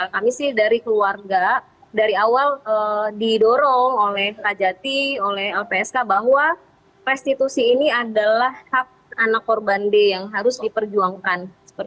kami sih dari keluarga dari awal didorong oleh kerajati oleh lpsk bahwa restitusi ini adalah hak anak korban d yang harus diperjuangkan